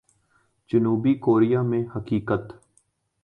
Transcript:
جنوبی کوریا میں حقیقت۔